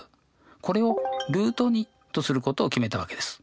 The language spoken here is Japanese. これをとすることを決めたわけです。